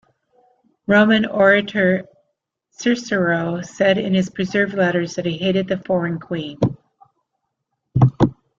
Roman orator Cicero said in his preserved letters that he hated the foreign queen.